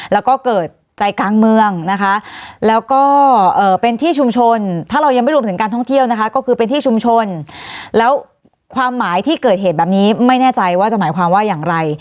แล้วก็เกิดใจกลางเมืองนะคะแล้วก็เป็นที่ชุมชนถ้าเรายังไม่รวมถึงการท่องเที่ยวนะคะก็คือเป็นที่ชุมชนแล้วความหมายที่เกิดเหตุแบบนี้ไม่แน่ใจว่าจะหมายความว่าอย่างไร